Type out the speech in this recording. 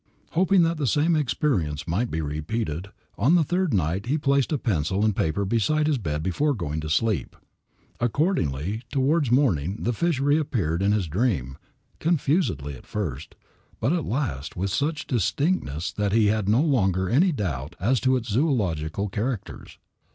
Hoping that the same experience might be repeated, on the third night he placed a pencil and paper beside his bed before going to sleep. "Accordingly, towards morning the fish re appeared in his dream, confusedly at first, but at last with such distinctness that he had no longer any doubt as to its zoölogical characters.